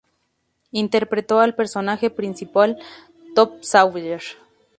Interpretó al personaje principal, "Tom Sawyer".